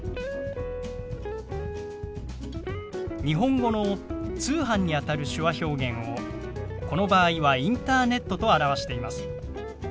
日本語の「通販」にあたる手話表現をこの場合は「インターネット」と表しています。